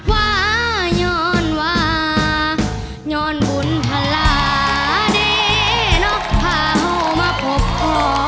ว่าย้อนว่าย้อนบุญพลาเดเนาะพาเหามาพบพ่อ